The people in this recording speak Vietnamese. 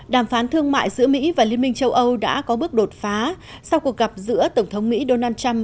đàm phán thương mại giữa mỹ và liên minh châu âu đã có bước đột phá sau cuộc gặp giữa tổng thống mỹ donald trump